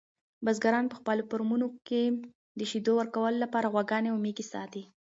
بزګران په خپلو فارمونو کې د شیدو ورکولو لپاره غواګانې او میږې ساتي.